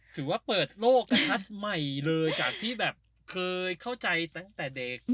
ถือว่าเปิดโลกประทัดใหม่เลยจากที่แบบเคยเข้าใจตั้งแต่เด็ก